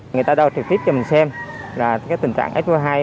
người ta đo trực tiếp cho mình xem là tình trạng f hai